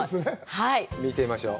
見てみましょう。